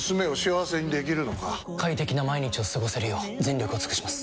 快適な毎日を過ごせるよう全力を尽くします！